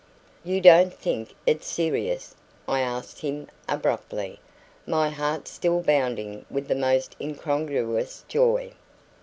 "You don't think it serious?" I asked him abruptly, my heart still bounding with the most incongruous joy.